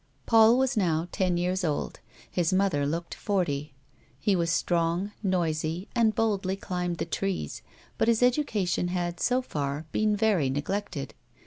Paul was now ten years old ; his mother looked forty. He was sti'ong, noisy, and boldly climbed the trees, but his education had, so far, been very neglected.